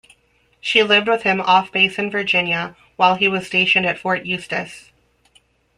She lived with him off-base in Virginia while he was stationed at Fort Eustis.